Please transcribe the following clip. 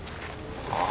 ああ。